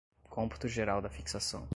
cômputo geral da fixação